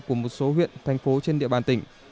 của một số huyện thành phố trên địa bàn tỉnh